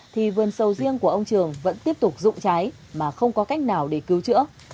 thì vườn sầu riêng của ông trường vẫn tiếp tục rụng cháy mà không có cách nào để cứu chữa